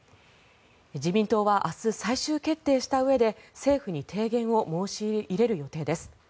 自民党は明日、最終決定したうえで政府に提言を申し入れる予定です。